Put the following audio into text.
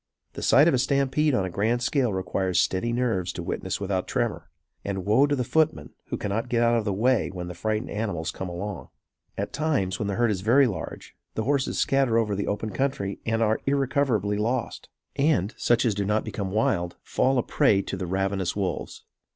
The sight of a stampede on a grand scale requires steady nerves to witness without tremor; and, woe to the footman who cannot get out of the way when the frightened animals come along. At times, when the herd is very large, the horses scatter over the open country and are irrecoverably lost; and, such as do not become wild, fall a prey to the ravenous wolves.